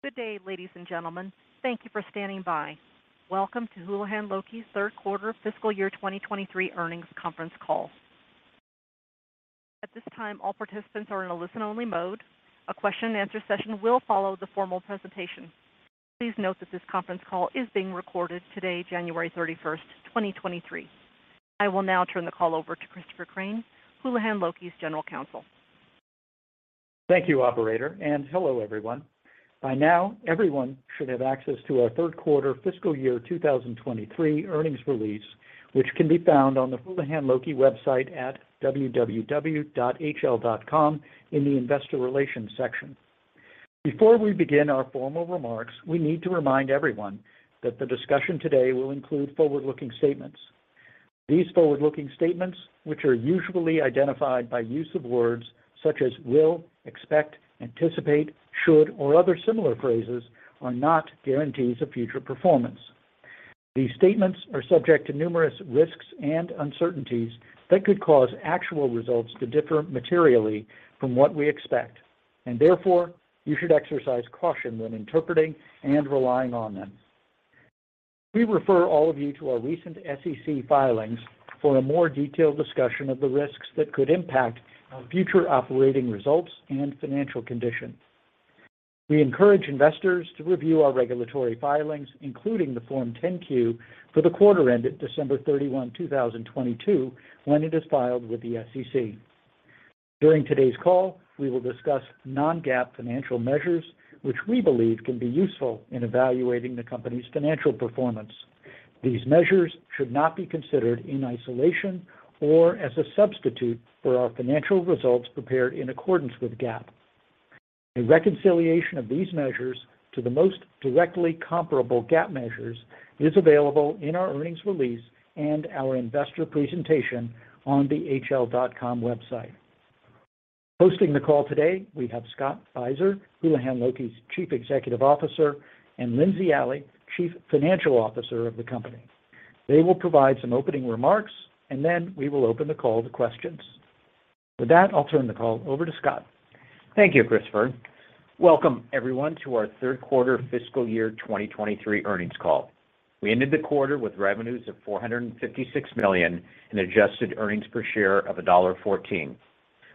Good day, ladies and gentlemen. Thank you for standing by. Welcome to Houlihan Lokey's Q3 fiscal year 2023 earnings conference call. At this time, all participants are in a listen-only mode. A question and answer session will follow the formal presentation. Please note that this conference call is being recorded today, January 31, 2023. I will now turn the call over to Christopher Crain, Houlihan Lokey's General Counsel. Thank you, operator, and hello, everyone. By now, everyone should have access to our Q3 fiscal year 2023 earnings release, which can be found on the Houlihan Lokey website at www.hl.com in the Investor Relations section. Before we begin our formal remarks, we need to remind everyone that the discussion today will include forward-looking statements. These forward-looking statements, which are usually identified by use of words such as will, expect, anticipate, should, or other similar phrases, are not guarantees of future performance. These statements are subject to numerous risks and uncertainties that could cause actual results to differ materially from what we expect, and therefore, you should exercise caution when interpreting and relying on them. We refer all of you to our recent SEC filings for a more detailed discussion of the risks that could impact our future operating results and financial conditions. We encourage investors to review our regulatory filings, including the Form 10-Q for the quarter ended December 31, 2022, when it is filed with the SEC. During today's call, we will discuss non-GAAP financial measures, which we believe can be useful in evaluating the company's financial performance. These measures should not be considered in isolation or as a substitute for our financial results prepared in accordance with GAAP. A reconciliation of these measures to the most directly comparable GAAP measures is available in our earnings release and our investor presentation on the hl.com website. Hosting the call today, we have Scott Beiser, Houlihan Lokey's Chief Executive Officer, and J. Lindsey Alley, Chief Financial Officer of the company. They will provide some opening remarks, then we will open the call to questions. With that, I'll turn the call over to Scott. Thank you, Christopher. Welcome, everyone, to our Q3 fiscal year 2023 earnings call. We ended the quarter with revenues of $456 million and adjusted earnings per share of $1.14.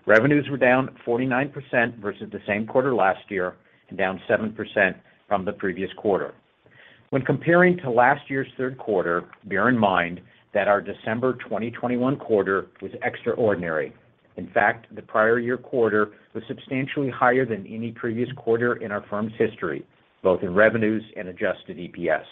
Revenues were down 49% versus the same quarter last year and down 7% from the previous quarter. When comparing to last year's Q3, bear in mind that our December 2021 quarter was extraordinary. In fact, the prior year quarter was substantially higher than any previous quarter in our firm's history, both in revenues and adjusted EPS.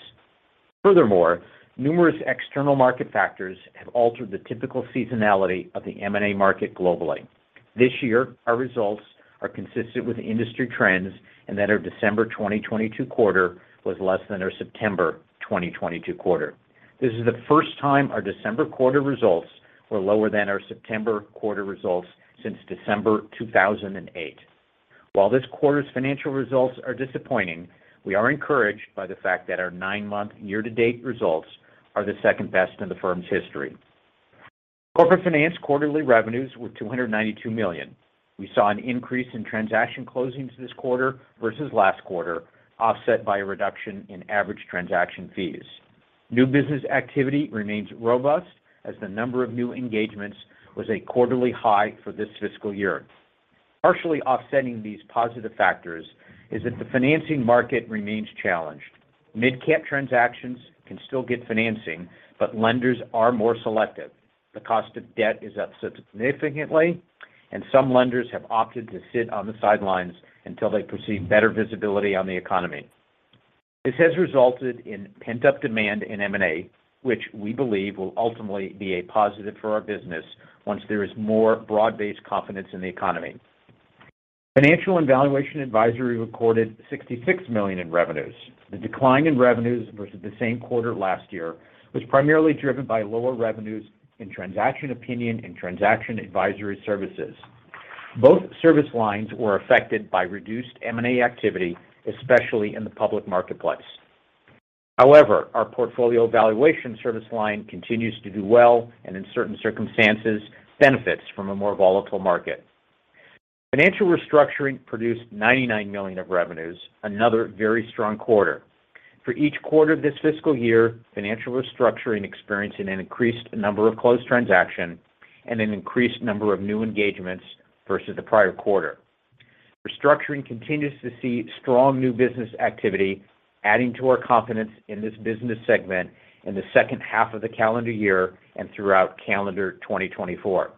Furthermore, numerous external market factors have altered the typical seasonality of the M&A market globally. This year, our results are consistent with industry trends and that our December 2022 quarter was less than our September 2022 quarter. This is the first time our December quarter results were lower than our September quarter results since December 2008. While this quarter's financial results are disappointing, we are encouraged by the fact that our 9-month year-to-date results are the second best in the firm's history. Corporate Finance quarterly revenues were $292 million. We saw an increase in transaction closings this quarter versus last quarter, offset by a reduction in average transaction fees. New business activity remains robust as the number of new engagements was a quarterly high for this fiscal year. Partially offsetting these positive factors is that the financing market remains challenged. Mid-cap transactions can still get financing, but lenders are more selective. The cost of debt is up significantly, and some lenders have opted to sit on the sidelines until they perceive better visibility on the economy. This has resulted in pent-up demand in M&A, which we believe will ultimately be a positive for our business once there is more broad-based confidence in the economy. Financial and Valuation Advisory recorded $66 million in revenues. The decline in revenues versus the same quarter last year was primarily driven by lower revenues in transaction opinion and transaction advisory services. Both service lines were affected by reduced M&A activity, especially in the public marketplace. However, our portfolio valuation service line continues to do well and, in certain circumstances, benefits from a more volatile market. Financial restructuring produced $99 million of revenues, another very strong quarter. For each quarter of this fiscal year, financial restructuring experienced an increased number of closed transaction and an increased number of new engagements versus the prior quarter. Restructuring continues to see strong new business activity, adding to our confidence in this business segment in the second half of the calendar year and throughout calendar 2024.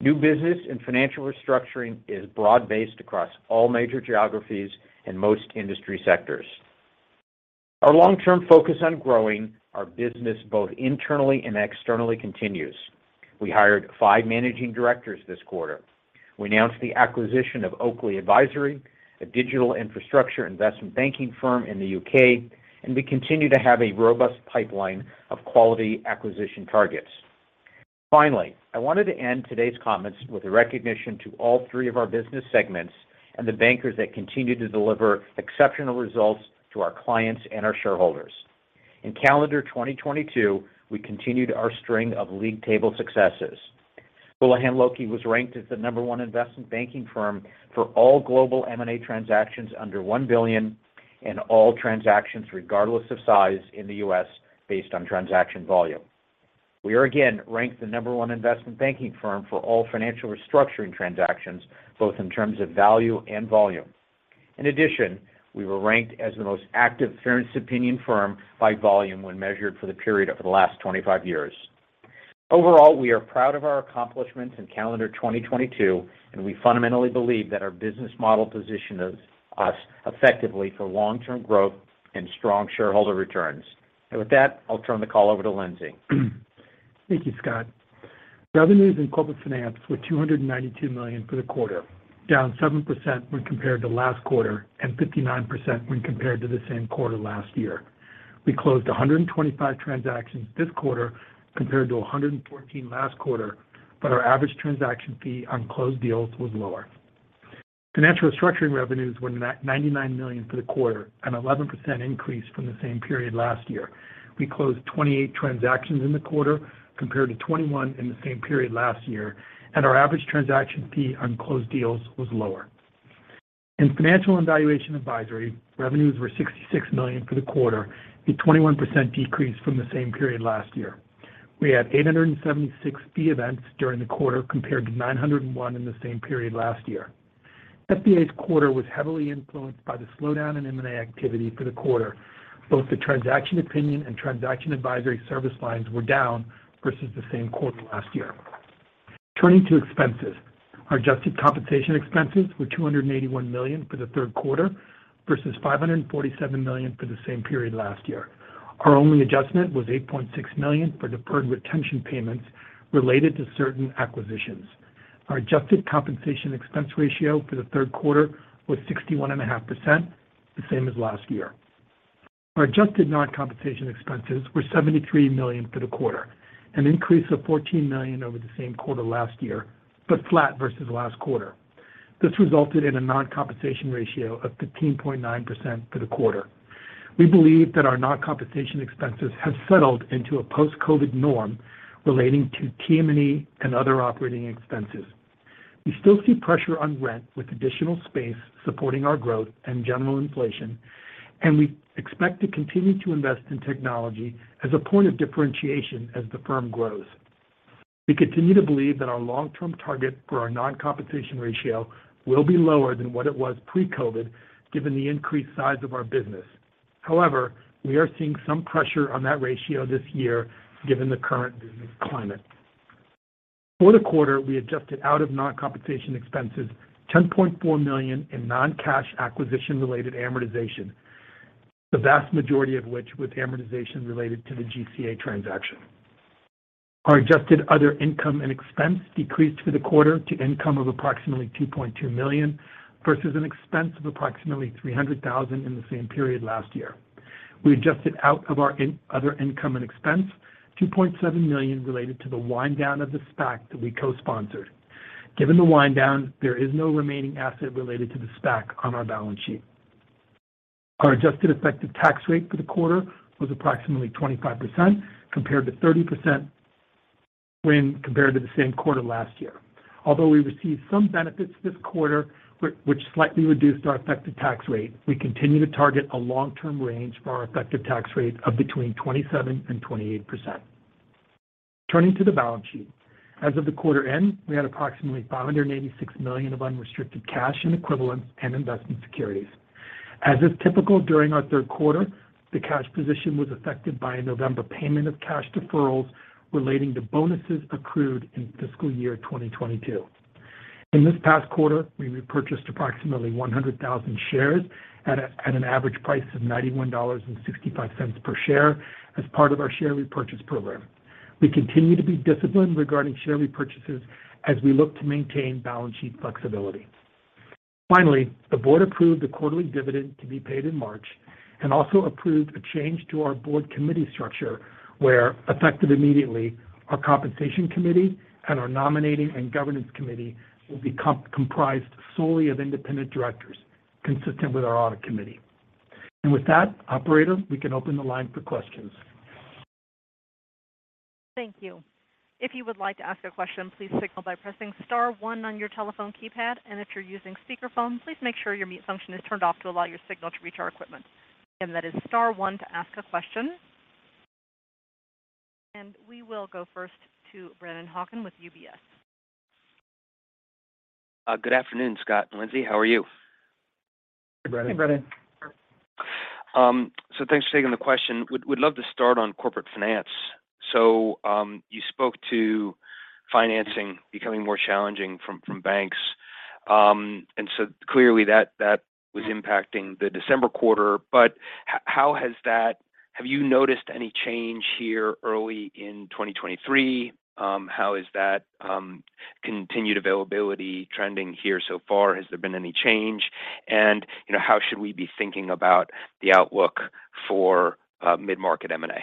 New business and financial restructuring is broad-based across all major geographies and most industry sectors. Our long-term focus on growing our business, both internally and externally, continues. We hired five managing directors this quarter. We announced the acquisition of Oakley Advisory, a digital infrastructure investment banking firm in the UK, and we continue to have a robust pipeline of quality acquisition targets. Finally, I wanted to end today's comments with a recognition to all three of our business segments and the bankers that continue to deliver exceptional results to our clients and our shareholders. In calendar 2022, we continued our string of league table successes. Houlihan Lokey was ranked as the number one investment banking firm for all global M&A transactions under $1 billion and all transactions regardless of size in the US based on transaction volume. We are again ranked the number one investment banking firm for all financial restructuring transactions, both in terms of value and volume. In addition, we were ranked as the most active fairness opinion firm by volume when measured for the period over the last 25 years. Overall, we are proud of our accomplishments in calendar 2022, and we fundamentally believe that our business model positions us effectively for long-term growth and strong shareholder returns. With that, I'll turn the call over to Lindsey. Thank you, Scott. Revenues in corporate finance were $292 million for the quarter, down 7% when compared to last quarter and 59% when compared to the same quarter last year. We closed 125 transactions this quarter compared to 114 last quarter. Our average transaction fee on closed deals was lower. Financial restructuring revenues were $999 million for the quarter, an 11% increase from the same period last year. We closed 28 transactions in the quarter compared to 21 in the same period last year. Our average transaction fee on closed deals was lower. In Financial and Valuation Advisory, revenues were $66 million for the quarter, a 21% decrease from the same period last year. We had 876 fee events during the quarter compared to 901 in the same period last year. FVA's quarter was heavily influenced by the slowdown in M&A activity for the quarter. Both the transaction opinion and transaction advisory service lines were down versus the same quarter last year. Turning to expenses. Our adjusted compensation expenses were $281 million for the Q3 versus $547 million for the same period last year. Our only adjustment was $8.6 million for deferred retention payments related to certain acquisitions. Our adjusted compensation expense ratio for the Q3 was 61.5%, the same as last year. Our adjusted non-compensation expenses were $73 million for the quarter, an increase of $14 million over the same quarter last year, but flat versus last quarter. This resulted in a non-compensation ratio of 15.9% for the quarter. We believe that our non-compensation expenses have settled into a post-COVID norm relating to TM&E and other operating expenses. We still see pressure on rent with additional space supporting our growth and general inflation, and we expect to continue to invest in technology as a point of differentiation as the firm grows. We continue to believe that our long-term target for our non-compensation ratio will be lower than what it was pre-COVID, given the increased size of our business. However, we are seeing some pressure on that ratio this year given the current business climate. For the quarter, we adjusted out of non-compensation expenses $10.4 million in non-cash acquisition-related amortization, the vast majority of which was amortization related to the GCA transaction. Our adjusted other income and expense decreased for the quarter to income of approximately $2.2 million versus an expense of approximately $300,000 in the same period last year. We adjusted out of our other income and expense $2.7 million related to the wind down of the SPAC that we co-sponsored. Given the wind down, there is no remaining asset related to the SPAC on our balance sheet. Our adjusted effective tax rate for the quarter was approximately 25% compared to 30% when compared to the same quarter last year. Although we received some benefits this quarter which slightly reduced our effective tax rate, we continue to target a long-term range for our effective tax rate of between 27% and 28%. Turning to the balance sheet. As of the quarter end, we had approximately $586 million of unrestricted cash and equivalents and investment securities. As is typical during our Q3, the cash position was affected by a November payment of cash deferrals relating to bonuses accrued in fiscal year 2022. In this past quarter, we repurchased approximately 100,000 shares at an average price of $91.65 per share as part of our share repurchase program. We continue to be disciplined regarding share repurchases as we look to maintain balance sheet flexibility. The board approved a quarterly dividend to be paid in March and also approved a change to our board committee structure where, effective immediately, our compensation committee and our nominating and governance committee will be comprised solely of independent directors, consistent with our audit committee. With that, operator, we can open the line for questions. Thank you. If you would like to ask a question, please signal by pressing star one on your telephone keypad. If you're using speakerphone, please make sure your mute function is turned off to allow your signal to reach our equipment. Again, that is star one to ask a question. We will go first to Brennan Hawken with UBS. Good afternoon, Scott and Lindsay. How are you? Hey, Brennan. Thanks for taking the question. Would love to start on corporate finance. You spoke to financing becoming more challenging from banks. Clearly that was impacting the December quarter. Have you noticed any change here early in 2023? How is that continued availability trending here so far? Has there been any change? You know, how should we be thinking about the outlook for mid-market M&A?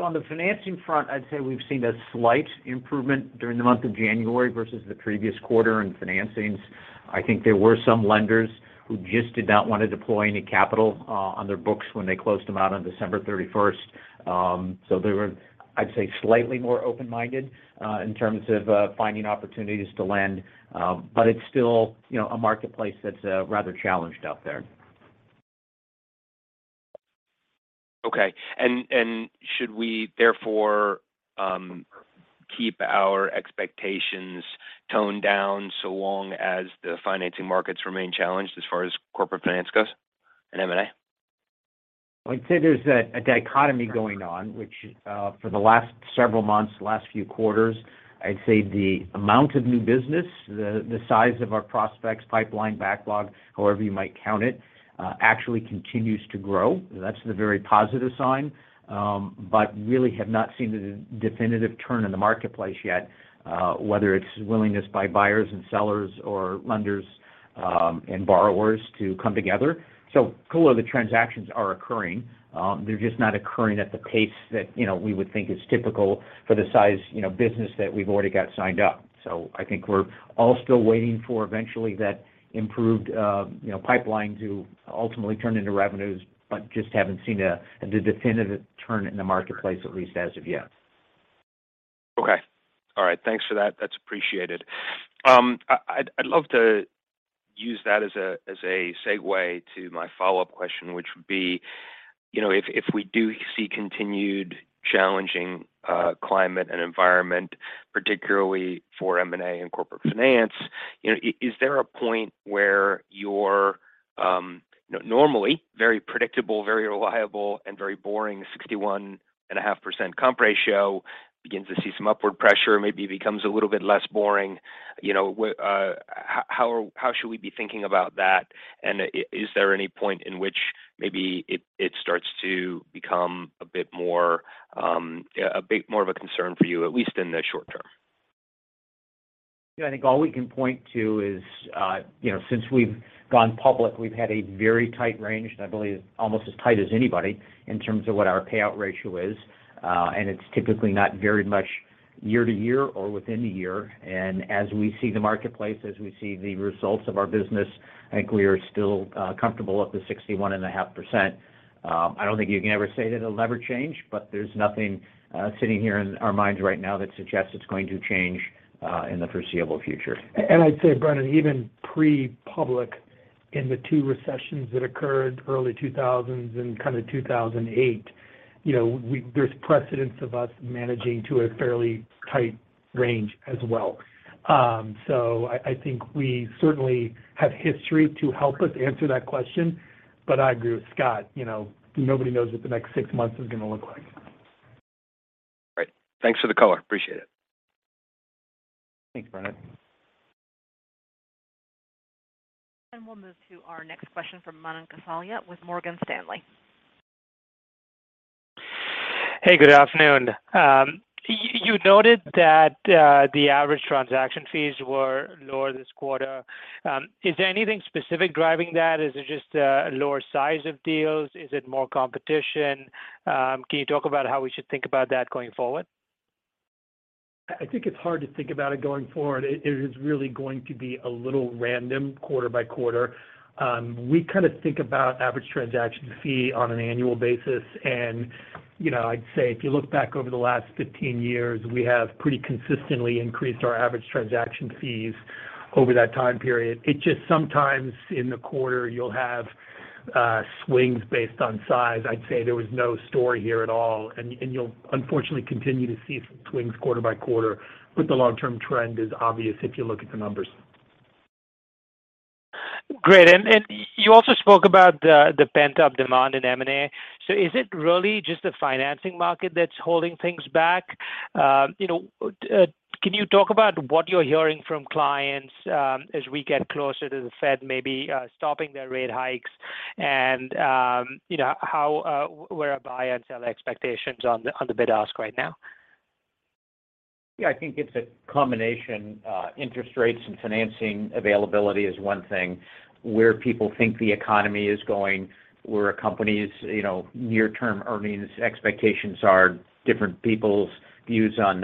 On the financing front, I'd say we've seen a slight improvement during the month of January versus the previous quarter in financings. I think there were some lenders who just did not want to deploy any capital on their books when they closed them out on December 31st. They were, I'd say, slightly more open-minded in terms of finding opportunities to lend. It's still, you know, a marketplace that's rather challenged out there. Okay. Should we therefore keep our expectations toned down so long as the financing markets remain challenged as far as corporate finance goes in M&A? I'd say there's a dichotomy going on, which for the last several months, last few quarters, I'd say the amount of new business, the size of our prospects pipeline backlog, however you might count it, actually continues to grow. That's the very positive sign. Really have not seen the definitive turn in the marketplace yet, whether it's willingness by buyers and sellers or lenders, and borrowers to come together. Core of the transactions are occurring, they're just not occurring at the pace that, you know, we would think is typical for the size, you know, business that we've already got signed up. I think we're all still waiting for eventually that improved, you know, pipeline to ultimately turn into revenues, but just haven't seen the definitive turn in the marketplace at least as of yet. Okay. All right. Thanks for that. That's appreciated. I'd love to use that as a, as a segue to my follow-up question, which would be, you know, if we do see continued challenging climate and environment, particularly for M&A and corporate finance, you know, is there a point where your normally very predictable, very reliable, and very boring 61.5% comp ratio begins to see some upward pressure, maybe becomes a little bit less boring, you know? How should we be thinking about that? Is there any point in which maybe it starts to become a bit more of a concern for you, at least in the short term? Yeah. I think all we can point to is, you know, since we've gone public, we've had a very tight range. I believe almost as tight as anybody in terms of what our payout ratio is. It's typically not very much year-to-year or within a year. As we see the marketplace, as we see the results of our business, I think we are still comfortable with the 61.5%. I don't think you can ever say that it'll never change, but there's nothing sitting here in our minds right now that suggests it's going to change in the foreseeable future. I'd say, Brennan, even pre-public in the two recessions that occurred, early 2000s and kind of 2008, you know, there's precedence of us managing to a fairly tight range as well. I think we certainly have history to help us answer that question. I agree with Scott, you know, nobody knows what the next six months is gonna look like. Great. Thanks for the color. Appreciate it. Thanks, Brennan. We'll move to our next question from Manan Gosalia with Morgan Stanley. Hey, good afternoon. You noted that, the average transaction fees were lower this quarter. Is there anything specific driving that? Is it just lower size of deals? Is it more competition? Can you talk about how we should think about that going forward? I think it's hard to think about it going forward. It is really going to be a little random quarter by quarter. We kinda think about average transaction fee on an annual basis. You know, I'd say if you look back over the last 15 years, we have pretty consistently increased our average transaction fees over that time period. It just sometimes in the quarter you'll have swings based on size. I'd say there was no story here at all, and you'll unfortunately continue to see swings quarter by quarter. The long-term trend is obvious if you look at the numbers. Great. You also spoke about the pent-up demand in M&A. Is it really just the financing market that's holding things back? You know, can you talk about what you're hearing from clients, as we get closer to the Fed, maybe, stopping their rate hikes? You know, how where are buy and sell expectations on the, on the bid ask right now? Yeah. I think it's a combination. Interest rates and financing availability is one thing. Where people think the economy is going, where a company's, you know, near-term earnings expectations are, different people's views on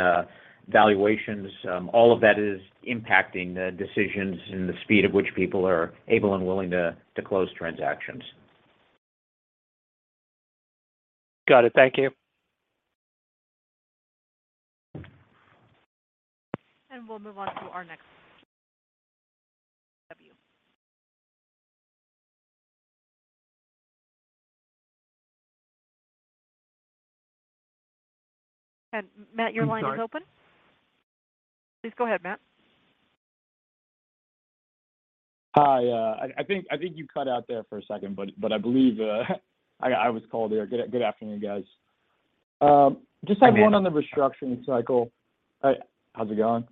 valuations, all of that is impacting the decisions and the speed at which people are able and willing to close transactions. Got it. Thank you. We'll move on to our next Matt, your line is open. I'm sorry. Please go ahead, Matt. Hi. I think you cut out there for a second, but I believe I was called here. Good afternoon, guys. Just have one on the restructuring cycle. How's it going?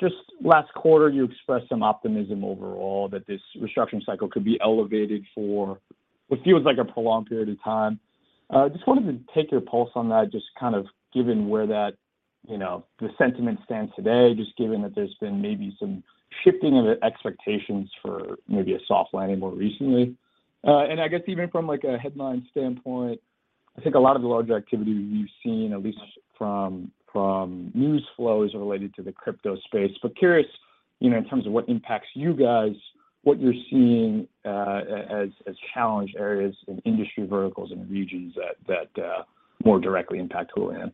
Just last quarter, you expressed some optimism overall that this restructuring cycle could be elevated for what feels like a prolonged period of time. Just wanted to take your pulse on that, just kind of given where that, you know, the sentiment stands today, just given that there's been maybe some shifting of the expectations for maybe a soft landing more recently. I guess even from, like, a headline standpoint, I think a lot of the larger activity we've seen, at least from news flows related to the crypto space. Curious, you know, in terms of what impacts you guys, what you're seeing, as challenge areas in industry verticals and regions that more directly impact Houlihan?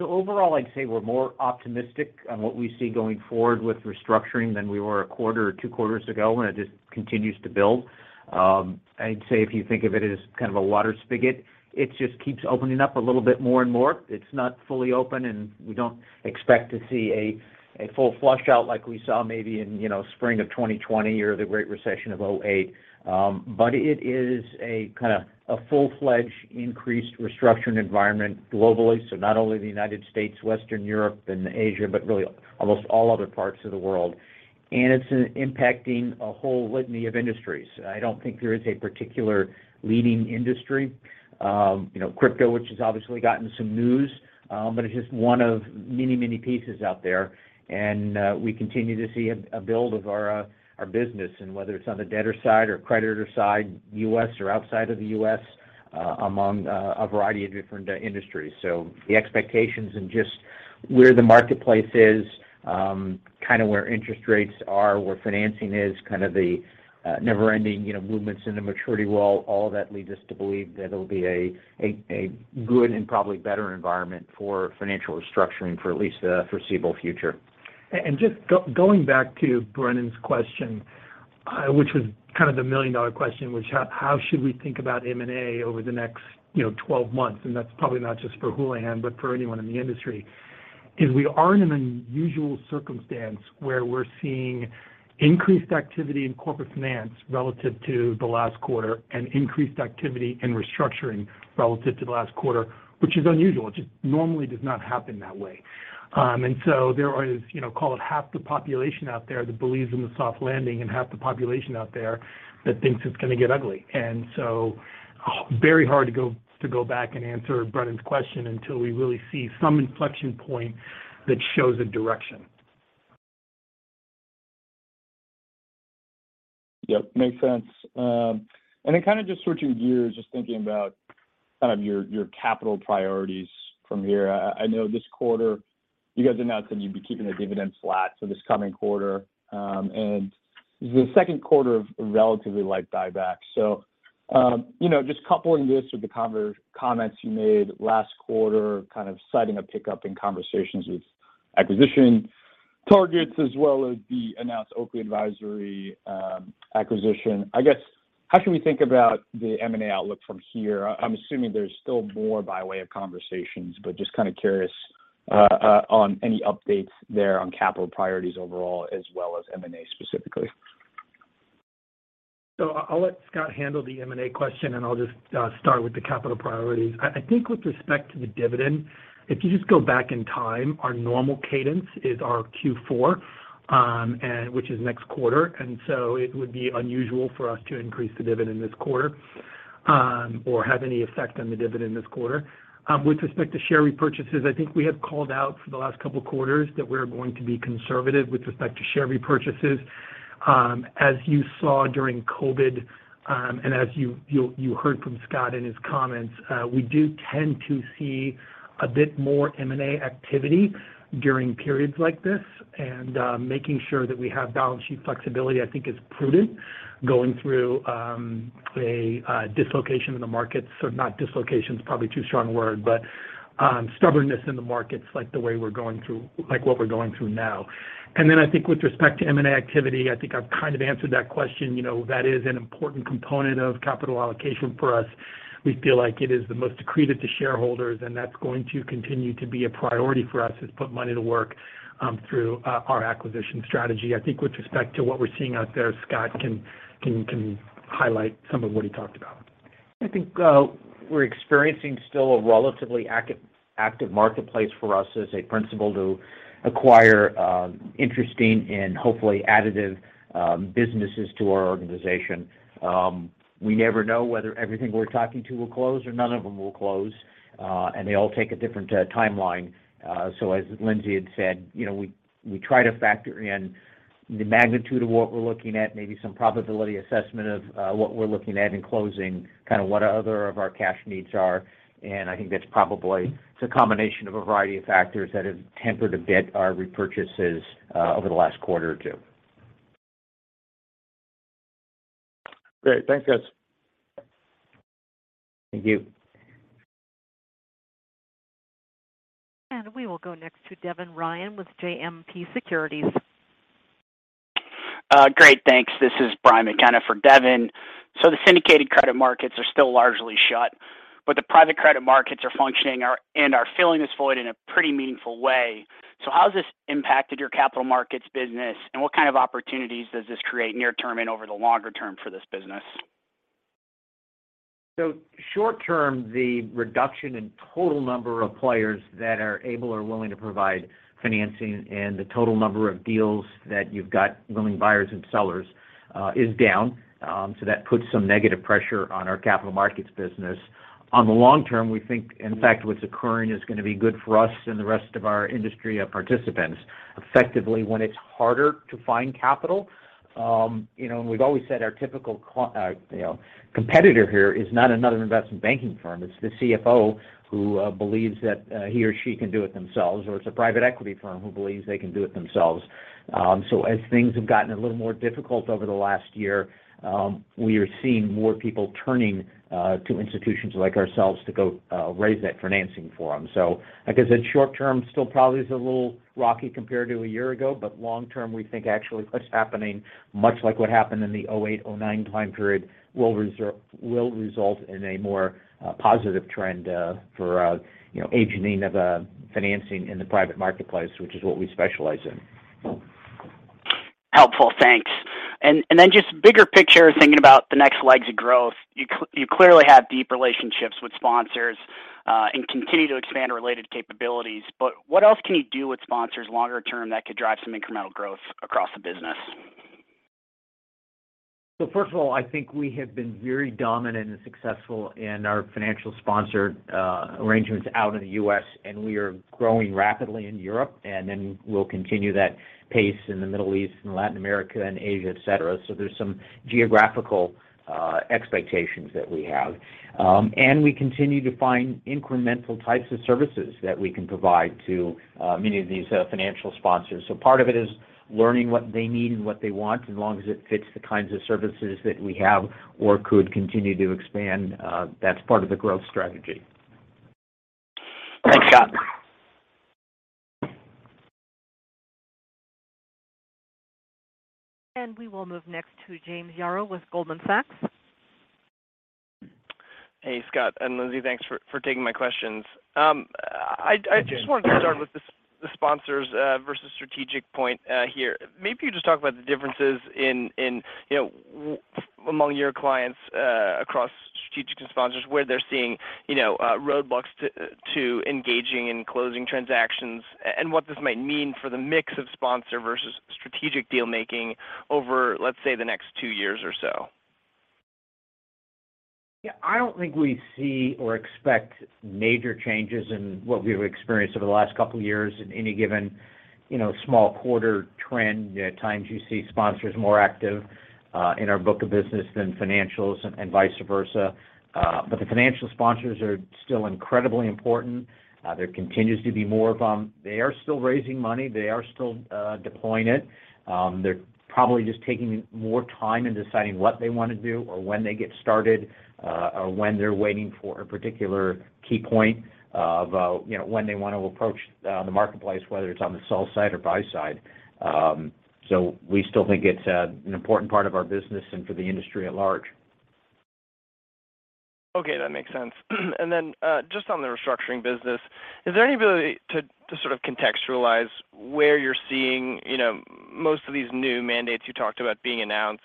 Overall, I'd say we're more optimistic on what we see going forward with restructuring than we were a quarter or 2 quarters ago. It just continues to build. I'd say if you think of it as kind of a water spigot, it just keeps opening up a little bit more and more. It's not fully open, and we don't expect to see a full flush out like we saw maybe in, you know, spring of 2020 or the Great Recession of 2008. It is a kind of a full-fledged increased restructuring environment globally. Not only the United States, Western Europe and Asia, but really almost all other parts of the world. It's impacting a whole litany of industries. I don't think there is a particular leading industry. You know, crypto, which has obviously gotten some news, but it's just one of many, many pieces out there. We continue to see a build of our business, and whether it's on the debtor side or creditor side, US or outside of the US, among a variety of different industries. The expectations and just where the marketplace is, kind of where interest rates are, where financing is, kind of the never-ending, you know, movements in the maturity wall, all that leads us to believe that it'll be a good and probably better environment for financial restructuring for at least the foreseeable future. Just going back to Brennan's question, which was kind of the million-dollar question, how should we think about M&A over the next, you know, 12 months? That's probably not just for Houlihan, but for anyone in the industry, is we are in an unusual circumstance where we're seeing increased activity in corporate finance relative to the last quarter and increased activity in restructuring relative to the last quarter, which is unusual. It just normally does not happen that way. There is, you know, call it half the population out there that believes in the soft landing and half the population out there that thinks it's gonna get ugly. Very hard to go back and answer Brennan's question until we really see some inflection point that shows a direction. Yep, makes sense. Kind of just switching gears, just thinking about kind of your capital priorities from here. I know this quarter you guys announced that you'd be keeping the dividend flat for this coming quarter, and the Q1 of relatively light buyback. You know, just coupling this with the comments you made last quarter, kind of citing a pickup in conversations with acquisition targets as well as the announced Oakley Advisory acquisition, I guess, how should we think about the M&A outlook from here? I'm assuming there's still more by way of conversations, but just kinda curious on any updates there on capital priorities overall as well as M&A specifically. I'll let Scott handle the M&A question, and I'll just start with the capital priorities. I think with respect to the dividend, if you just go back in time, our normal cadence is our Q4, and which is next quarter. It would be unusual for us to increase the dividend this quarter, or have any effect on the dividend this quarter. With respect to share repurchases, I think we have called out for the last couple quarters that we're going to be conservative with respect to share repurchases. As you saw during COVID, and as you heard from Scott in his comments, we do tend to see a bit more M&A activity during periods like this. Making sure that we have balance sheet flexibility, I think is prudent going through a dislocation in the markets. Not dislocation, it's probably too strong a word, but stubbornness in the markets like what we're going through now. I think with respect to M&A activity, I think I've kind of answered that question. You know, that is an important component of capital allocation for us. We feel like it is the most accretive to shareholders, and that's going to continue to be a priority for us, is put money to work through our acquisition strategy. I think with respect to what we're seeing out there, Scott can highlight some of what he talked about. I think, we're experiencing still a relatively active marketplace for us as a principal to acquire, interesting and hopefully additive, businesses to our organization. We never know whether everything we're talking to will close or none of them will close, and they all take a different timeline. As Lindsay had said, you know, we try to factor in the magnitude of what we're looking at, maybe some probability assessment of, what we're looking at in closing, kind of what other of our cash needs are. I think that's probably it's a combination of a variety of factors that have tempered a bit our repurchases, over the last quarter or two. Great. Thanks, guys. Thank you. We will go next to Devin Ryan with JMP Securities. Great, thanks. This is Brian McKenna for Devin. The syndicated credit markets are still largely shut, but the private credit markets are functioning and are filling this void in a pretty meaningful way. How has this impacted your capital markets business, and what kind of opportunities does this create near-term and over the longer term for this business? Short term, the reduction in total number of players that are able or willing to provide financing and the total number of deals that you've got willing buyers and sellers, is down. That puts some negative pressure on our capital markets business. On the long term, we think, in fact, what's occurring is gonna be good for us and the rest of our industry, participants. Effectively, when it's harder to find capital, you know, and we've always said our typical you know, competitor here is not another investment banking firm, it's the CFO who believes that he or she can do it themselves, or it's a private equity firm who believes they can do it themselves. As things have gotten a little more difficult over the last year, we are seeing more people turning to institutions like ourselves to go raise that financing for them. Like I said, short term still probably is a little rocky compared to a year ago, but long term, we think actually what's happening, much like what happened in the 2008, 2009 time period, will result in a more positive trend for, you know, agenting of financing in the private marketplace, which is what we specialize in. Helpful. Thanks. Then just bigger picture, thinking about the next legs of growth, you clearly have deep relationships with sponsors, and continue to expand related capabilities. What else can you do with sponsors longer term that could drive some incremental growth across the business? First of all, I think we have been very dominant and successful in our financial sponsor arrangements out in the US, and we are growing rapidly in Europe, and then we'll continue that pace in the Middle East and Latin America and Asia, et cetera. There's some geographical expectations that we have. We continue to find incremental types of services that we can provide to many of these financial sponsors. Part of it is learning what they need and what they want, as long as it fits the kinds of services that we have or could continue to expand, that's part of the growth strategy. Thanks, Scott. We will move next to James Yarrow with Goldman Sachs. Hey, Scott and Lindsey. Thanks for taking my questions. I just wanted to start with the sponsors versus strategic point here. Maybe you could just talk about the differences in, you know, among your clients across strategic and sponsors, where they're seeing, you know, roadblocks to engaging in closing transactions and what this might mean for the mix of sponsor versus strategic deal-making over, let's say, the next two years or so. I don't think we see or expect major changes in what we've experienced over the last couple of years in any given, you know, small quarter trend. At times you see sponsors more active in our book of business than financials and vice versa. The financial sponsors are still incredibly important. There continues to be more of them. They are still raising money. They are still deploying it. They're probably just taking more time in deciding what they wanna do or when they get started or when they're waiting for a particular key point of, you know, when they want to approach the marketplace, whether it's on the sell side or buy side. We still think it's an important part of our business and for the industry at large. Okay, that makes sense. Then, just on the restructuring business, is there any ability to sort of contextualize where you're seeing, you know, most of these new mandates you talked about being announced?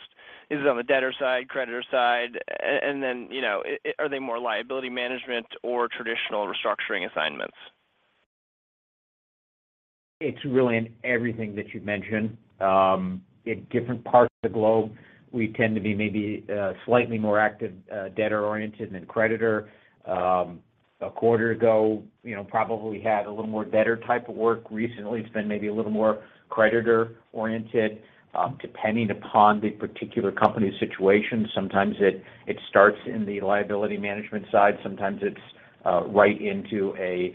Is it on the debtor side, creditor side? Then, you know, are they more liability management or traditional restructuring assignments? It's really in everything that you've mentioned. In different parts of the globe, we tend to be maybe slightly more active, debtor-oriented than creditor. A quarter ago, you know, probably had a little more debtor type of work. Recently, it's been maybe a little more creditor-oriented, depending upon the particular company situation. Sometimes it starts in the liability management side. Sometimes it's right into a,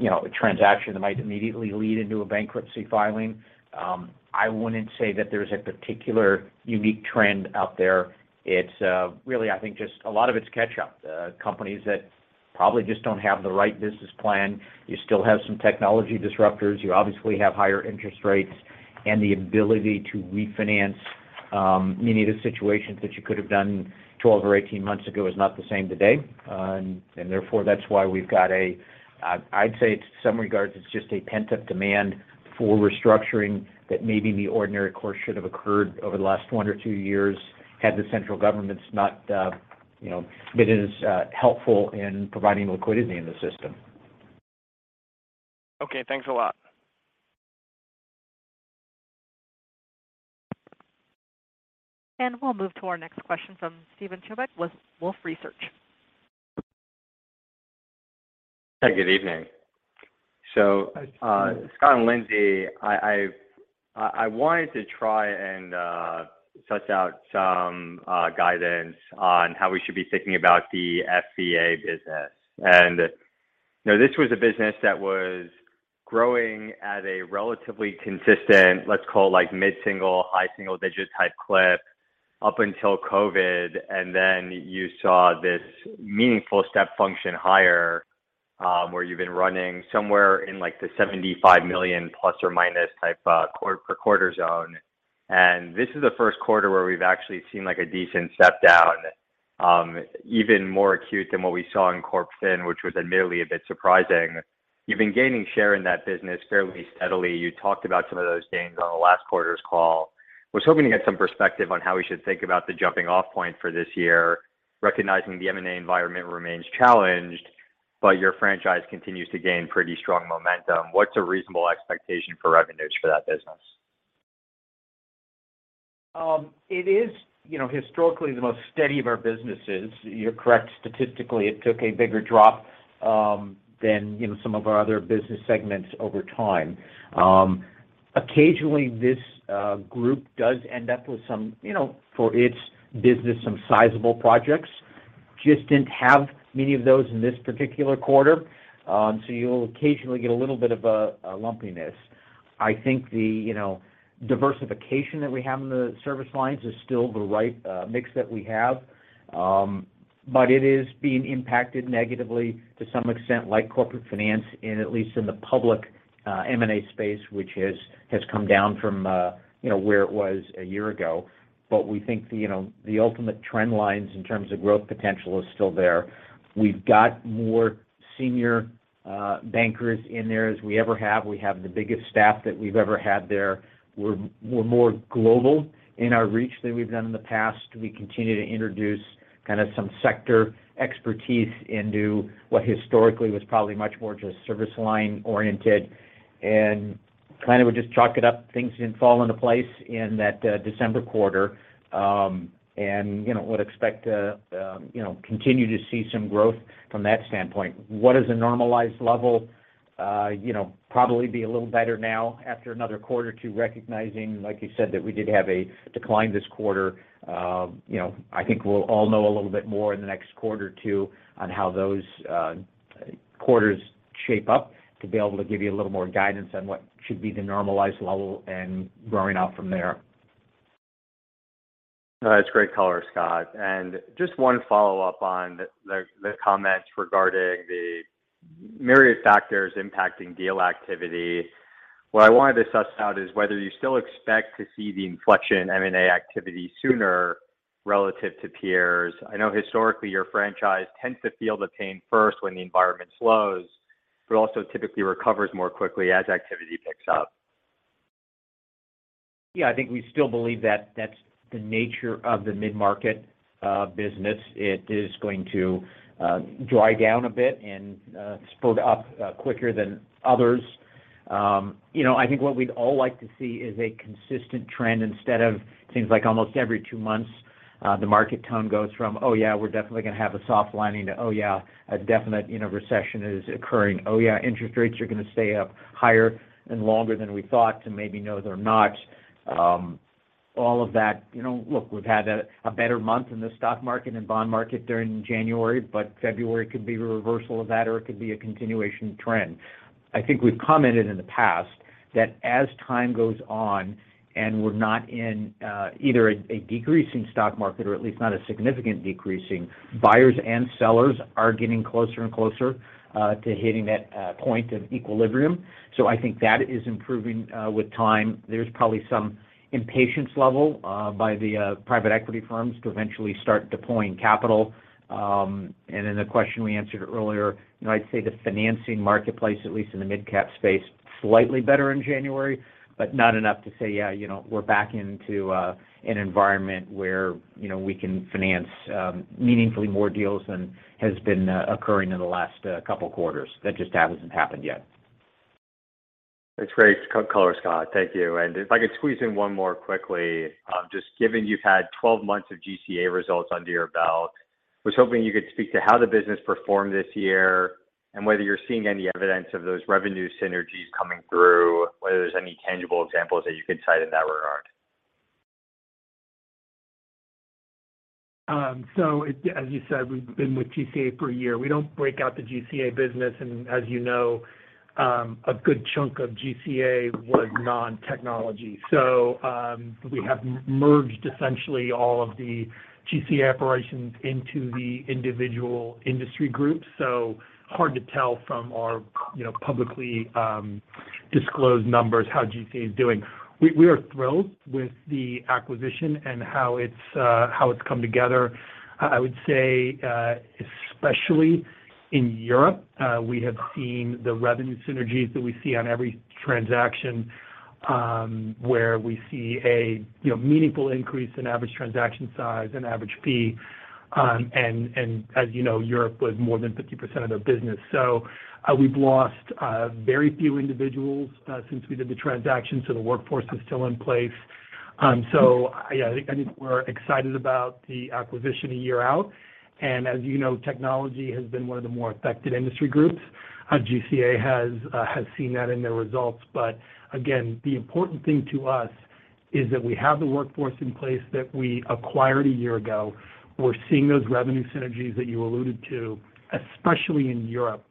you know, a transaction that might immediately lead into a bankruptcy filing. I wouldn't say that there's a particular unique trend out there. It's really, I think just a lot of it's catch up. Companies that probably just don't have the right business plan. You still have some technology disruptors. You obviously have higher interest rates, and the ability to refinance, many of the situations that you could have done 12 or 18 months ago is not the same today. Therefore, that's why I'd say to some regards, it's just a pent-up demand for restructuring that maybe in the ordinary course should have occurred over the last one or two years had the central governments not, you know, been as helpful in providing liquidity in the system. Okay. Thanks a lot. We'll move to our next question from Steven Chubak with Wolfe Research. Hey, good evening. Scott and Lindsey, I wanted to try and suss out some guidance on how we should be thinking about the FVA business. You know, this was a business that was growing at a relatively consistent, let's call it like mid-single, high single digit type clip up until COVID. You saw this meaningful step function higher, where you've been running somewhere in, like, the $75 million ± type per quarter zone. This is the Q1 where we've actually seen, like, a decent step down, even more acute than what we saw in Corp Fin, which was admittedly a bit surprising. You've been gaining share in that business fairly steadily. You talked about some of those gains on the last quarter's call. Was hoping to get some perspective on how we should think about the jumping-off point for this year, recognizing the M&A environment remains challenged, but your franchise continues to gain pretty strong momentum. What's a reasonable expectation for revenues for that business? It is, you know, historically the most steady of our businesses. You're correct. Statistically, it took a bigger drop than, you know, some of our other business segments over time. Occasionally, this group does end up with some, you know, for its business, some sizable projects. Just didn't have many of those in this particular quarter, so you'll occasionally get a little bit of a lumpiness. I think the, you know, diversification that we have in the service lines is still the right mix that we have. It is being impacted negatively to some extent like corporate finance, and at least in the public M&A space, which has come down from, you know, where it was a year ago. We think the, you know, the ultimate trend lines in terms of growth potential is still there. We've got more senior bankers in there as we ever have. We have the biggest staff that we've ever had there. We're more global in our reach than we've done in the past. We continue to introduce kind of some sector expertise into what historically was probably much more just service line-oriented. Kind of would just chalk it up, things didn't fall into place in that December quarter. You know, would expect to, you know, continue to see some growth from that standpoint. What is a normalized level? You know, probably be a little better now after another quarter to recognizing, like you said, that we did have a decline this quarter. you know, I think we'll all know a little bit more in the next quarter or two on how those quarters shape up to be able to give you a little more guidance on what should be the normalized level and growing out from there. That's great color, Scott. Just one follow-up on the comments regarding the myriad factors impacting deal activity. What I wanted to suss out is whether you still expect to see the inflection M&A activity sooner relative to peers. I know historically, your franchise tends to feel the pain first when the environment slows, but also typically recovers more quickly as activity picks up. Yeah, I think we still believe that that's the nature of the mid-market business. It is going to dry down a bit and spool up quicker than others. You know, I think what we'd all like to see is a consistent trend instead of things like almost every two months, the market tone goes from, "Oh, yeah, we're definitely gonna have a soft lining," to, "Oh, yeah, a definite, you know, recession is occurring." "Oh, yeah, interest rates are gonna stay up higher and longer than we thought," to maybe, "No, they're not." All of that. You know, look, we've had a better month in the stock market and bond market during January. February could be a reversal of that, or it could be a continuation trend. I think we've commented in the past that as time goes on and we're not in, either a decreasing stock market or at least not a significant decreasing, buyers and sellers are getting closer and closer to hitting that point of equilibrium. I think that is improving, with time. There's probably some impatience level, by the, private equity firms to eventually start deploying capital. The question we answered earlier, you know, I'd say the financing marketplace, at least in the midcap space, slightly better in January, but not enough to say, "Yeah, you know, we're back into, an environment where, you know, we can finance, meaningfully more deals than has been, occurring in the last couple quarters." That just hasn't happened yet. That's great color, Scott. Thank you. If I could squeeze in one more quickly. Just given you've had 12 months of GCA results under your belt, I was hoping you could speak to how the business performed this year and whether you're seeing any evidence of those revenue synergies coming through, whether there's any tangible examples that you could cite in that regard. As you said, we've been with GCA for a year. We don't break out the GCA business, and as you know, a good chunk of GCA was non-technology. We have merged essentially all of the GCA operations into the individual industry groups. Hard to tell from our, you know, publicly disclosed numbers how GCA is doing. We are thrilled with the acquisition and how it's come together. I would say, especially in Europe, we have seen the revenue synergies that we see on every transaction, where we see a, you know, meaningful increase in average transaction size and average fee. As you know, Europe was more than 50% of their business. We've lost very few individuals since we did the transaction, so the workforce is still in place. Yeah, I think, I think we're excited about the acquisition a year out. As you know, technology has been one of the more affected industry groups. GCA has seen that in their results. Again, the important thing to us is that we have the workforce in place that we acquired a year ago. We're seeing those revenue synergies that you alluded to, especially in Europe.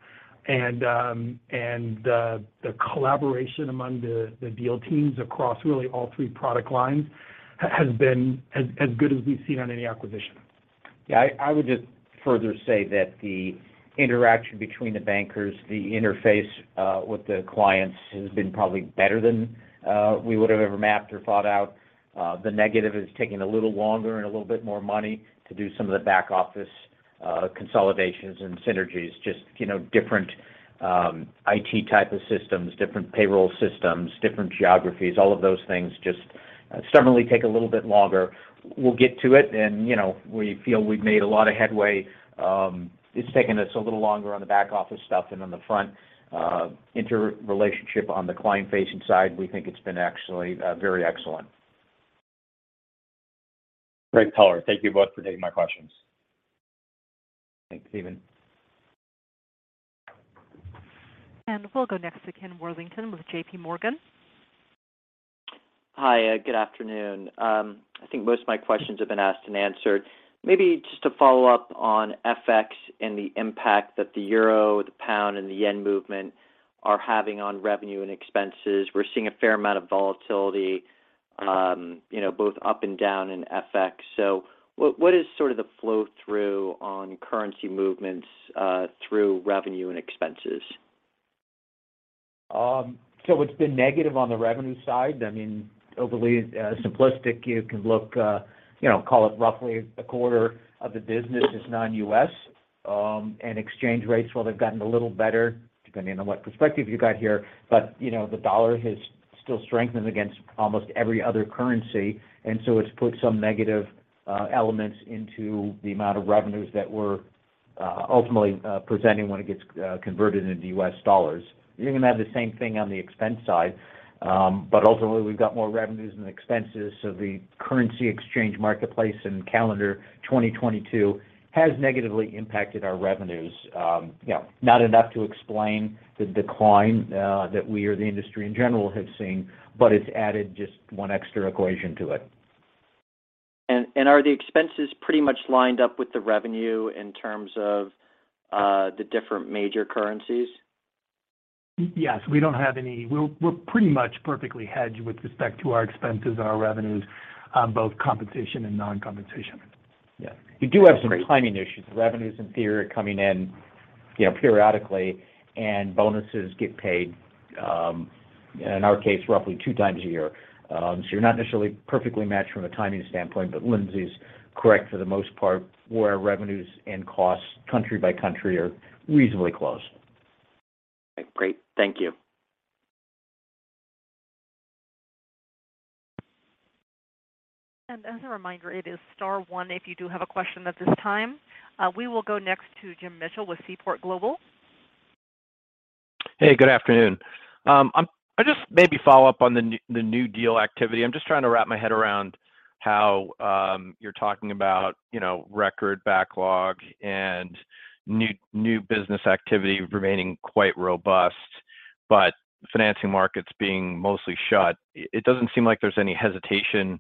The collaboration among the deal teams across really all three product lines has been as good as we've seen on any acquisition. Yeah, I would just further say that the interaction between the bankers, the interface, with the clients has been probably better than we would have ever mapped or thought out. The negative is taking a little longer and a little bit more money to do some of the back office consolidations and synergies. Just, you know, different IT type of systems, different payroll systems, different geographies, all of those things just certainly take a little bit longer. We'll get to it, and, you know, we feel we've made a lot of headway. It's taken us a little longer on the back office stuff than on the front, interrelationship on the client-facing side. We think it's been actually, very excellent. Great color. Thank you both for taking my questions. Thanks, Steven. We'll go next to Ken Worthington with J.P. Morgan. Hi. Good afternoon. I think most of my questions have been asked and answered. Maybe just to follow up on FX and the impact that the euro, the pound, and the yen movement are having on revenue and expenses. We're seeing a fair amount of volatility, you know, both up and down in FX. What is sort of the flow-through on currency movements through revenue and expenses? It's been negative on the revenue side. I mean, overly simplistic, you can look, you know, call it roughly a quarter of the business is non-US. Exchange rates, while they've gotten a little better, depending on what perspective you've got here, but, you know, the dollar has still strengthened against almost every other currency. It's put some negative elements into the amount of revenues that we're ultimately presenting when it gets converted into US dollars. You're gonna have the same thing on the expense side. Ultimately, we've got more revenues than expenses, the currency exchange marketplace in calendar 2022 has negatively impacted our revenues. You know, not enough to explain the decline that we or the industry in general have seen, it's added just one extra equation to it. Are the expenses pretty much lined up with the revenue in terms of the different major currencies? Yes. We don't have any. We're pretty much perfectly hedged with respect to our expenses and our revenues on both compensation and non-compensation. Yeah. We do have some timing issues. Revenues in theory are coming in, you know, periodically, and bonuses get paid, in our case, roughly 2x a year. You're not necessarily perfectly matched from a timing standpoint, but Lindsey's correct for the most part, where our revenues and costs country by country are reasonably close. Great. Thank you. as a reminder, it is star one if you do have a question at this time. We will go next to Jim Mitchell with Seaport Global. Hey, good afternoon. I just maybe follow up on the new, the new deal activity. I'm just trying to wrap my head around how you're talking about, you know, record backlog and new business activity remaining quite robust, but financing markets being mostly shut. It doesn't seem like there's any hesitation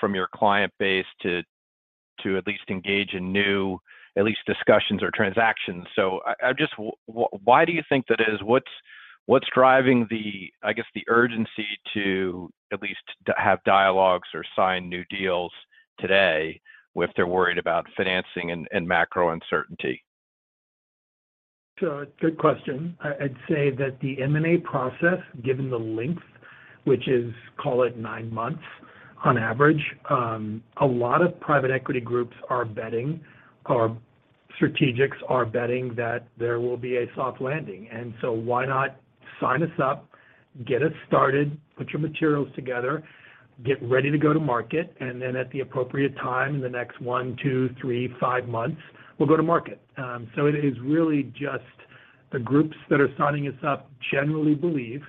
from your client base to at least engage in new at least discussions or transactions. I'm just why do you think that is? What's, what's driving the, I guess, the urgency to at least to have dialogues or sign new deals today if they're worried about financing and macro uncertainty? Good question. I'd say that the M&A process, given the length, which is, call it 9 months on average, a lot of private equity groups are betting or strategics are betting that there will be a soft landing. Why not sign us up, get us started, put your materials together, get ready to go to market, and then at the appropriate time, in the next 1, 2, 3, 5 months, we'll go to market. It is really just the groups that are signing us up generally believe that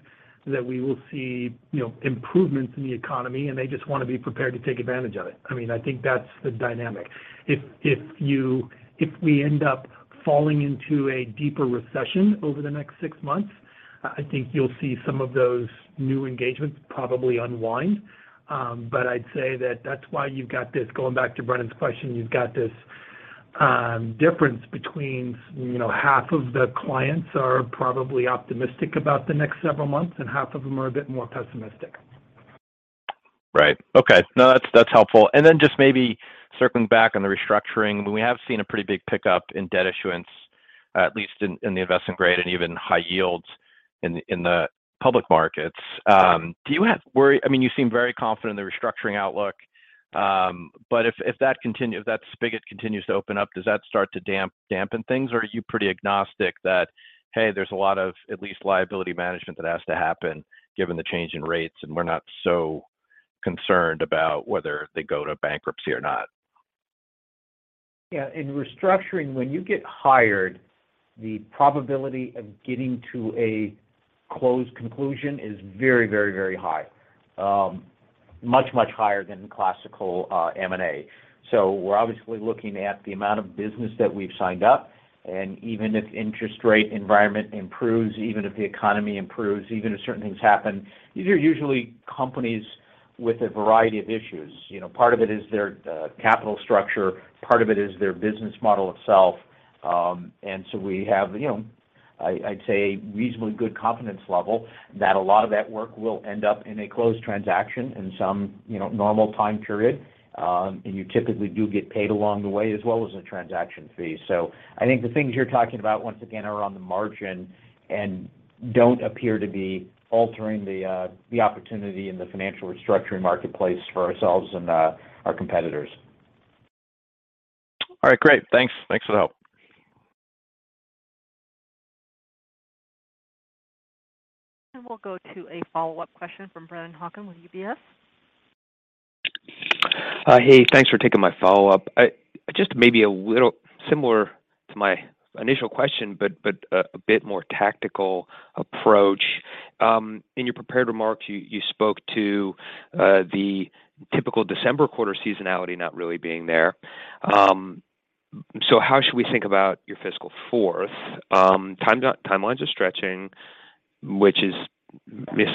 we will see, you know, improvements in the economy, and they just wanna be prepared to take advantage of it. I mean, I think that's the dynamic. If we end up falling into a deeper recession over the next 6 months, I think you'll see some of those new engagements probably unwind. I'd say that that's why you've got this, going back to Brennan's question, you've got this, difference between, you know, half of the clients are probably optimistic about the next several months, and half of them are a bit more pessimistic. Right. Okay. No, that's helpful. Just maybe circling back on the restructuring, we have seen a pretty big pickup in debt issuance, at least in the investment grade and even high yields in the public markets. Do you have, I mean, you seem very confident in the restructuring outlook, but if that continue, if that spigot continues to open up, does that start to dampen things, or are you pretty agnostic that, hey, there's a lot of at least liability management that has to happen given the change in rates, and we're not so concerned about whether they go to bankruptcy or not? Yeah. In restructuring, when you get hired, the probability of getting to a closed conclusion is very, very, very high. Much, much higher than classical M&A. We're obviously looking at the amount of business that we've signed up, and even if interest rate environment improves, even if the economy improves, even if certain things happen, these are usually companies with a variety of issues. You know, part of it is their capital structure, part of it is their business model itself. We have, you know, I'd say reasonably good confidence level that a lot of that work will end up in a closed transaction in some, you know, normal time period. You typically do get paid along the way, as well as a transaction fee. I think the things you're talking about, once again, are on the margin and don't appear to be altering the opportunity in the financial restructuring marketplace for ourselves and our competitors. All right. Great. Thanks. Thanks for the help. We'll go to a follow-up question from Brennan Hawken with UBS. Hey, thanks for taking my follow-up. Just maybe a little similar to my initial question, but a bit more tactical approach. In your prepared remarks, you spoke to the typical December quarter seasonality not really being there. How should we think about your fiscal 4th? Timelines are stretching, which is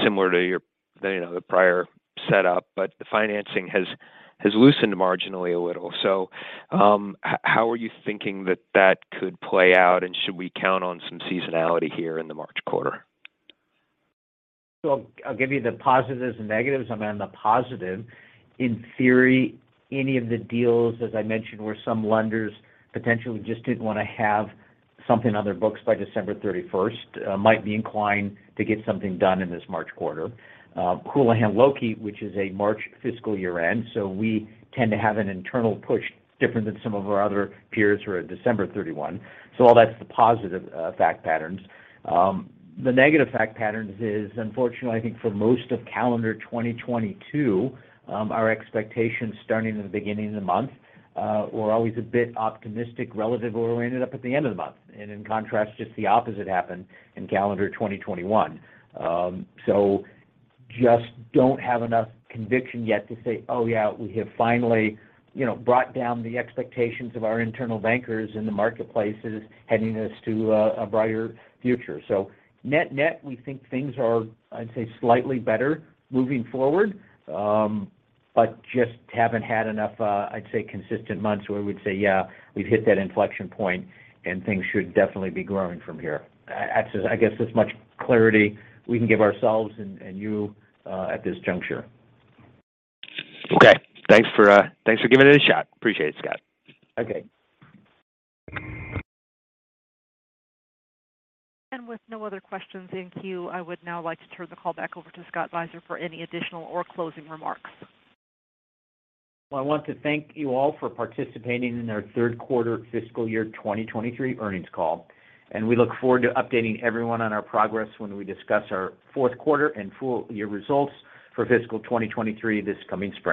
similar to your, you know, the prior set up, but the financing has loosened marginally a little. How are you thinking that that could play out? Should we count on some seasonality here in the March quarter? I'll give you the positives and negatives. On the positive, in theory, any of the deals, as I mentioned, where some lenders potentially just didn't wanna have something on their books by December 31, might be inclined to get something done in this March quarter. Houlihan Lokey, which is a March fiscal year end, we tend to have an internal push different than some of our other peers who are at December 31. All that's the positive fact patterns. The negative fact patterns is unfortunately, I think for most of calendar 2022, our expectations starting in the beginning of the month, were always a bit optimistic relative where we ended up at the end of the month. In contrast, just the opposite happened in calendar 2021. Just don't have enough conviction yet to say, "Oh, yeah, we have finally, you know, brought down the expectations of our internal bankers in the marketplace is heading us to a brighter future." Net-net, we think things are, I'd say, slightly better moving forward, but just haven't had enough, I'd say consistent months where we would say, "Yeah, we've hit that inflection point and things should definitely be growing from here." I guess as much clarity we can give ourselves and you, at this juncture. Okay. Thanks for, thanks for giving it a shot. Appreciate it, Scott. Okay. With no other questions in queue, I would now like to turn the call back over to Scott Beiser for any additional or closing remarks. Well, I want to thank you all for participating in our Q3 fiscal year 2023 earnings call. We look forward to updating everyone on our progress when we discuss our Q4 and full year results for fiscal 2023 this coming spring.